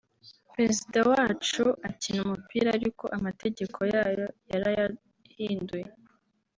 Perezida wacu akina umupira ariko amategeko yayo yarayahinduye